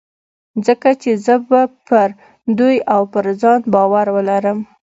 ځکه چې زه به پر دوی او پر ځان باور ولرم.